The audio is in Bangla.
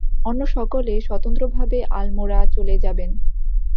অন্য সকলে স্বতন্ত্রভাবে আলমোড়া চলে যাবেন।